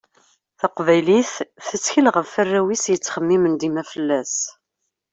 Taqbaylit tettkel ɣef warraw-is yettxemmimen dima fell-as.